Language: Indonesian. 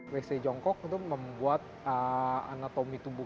wc jongkok itu membuat anatomi tubuh